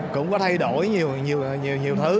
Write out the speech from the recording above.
cũng có thay đổi nhiều thứ